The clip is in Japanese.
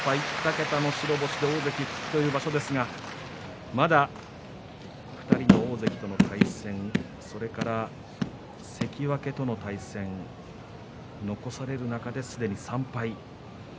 ２桁で大関復帰の場所ですがまだ２人の大関との対戦それから関脇との対戦、残される中でのすでに３敗。